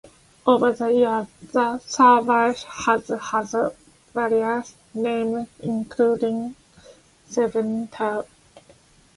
Over the years, the service has had various names including SevenTel.